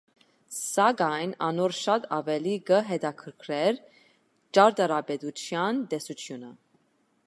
Սակայն անոր շատ աւելի կը հետաքրքրէր ճարտարապետութեան տեսութիւնը։